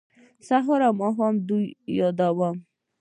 سهار او ماښام دې یادوم